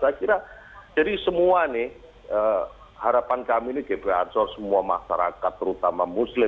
saya kira jadi semua nih harapan kami ini gp ansor semua masyarakat terutama muslim